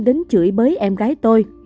đến chửi bới em gái tôi